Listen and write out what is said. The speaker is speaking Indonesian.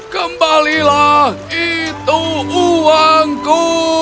kembalilah itu uangku